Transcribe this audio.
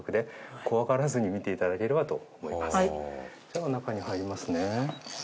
では中に入りますね。